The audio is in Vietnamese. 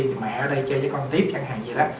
thì mẹ ở đây chơi với con tiếp chẳng hạn gì đó